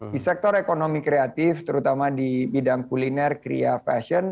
di sektor ekonomi kreatif terutama di bidang kuliner kria fashion